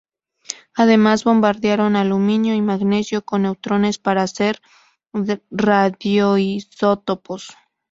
Además bombardearon aluminio y magnesio con neutrones para hacer radioisótopos.